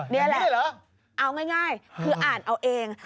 นี่แหละเอาง่ายคืออ่านเอาเอง